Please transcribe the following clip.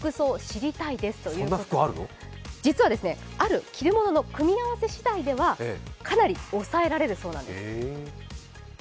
実は、ある着るものの組み合わせしだいではかなり抑えられるそうなんです。